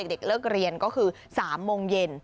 เด็กเลิกเรียนก็คือ๓โมงเย็น